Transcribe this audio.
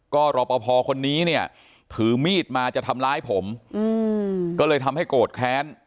ก็รอปภคนนี้เนี่ยถือมีดมาจะทำร้ายผมก็เลยทำให้โกรธแค้น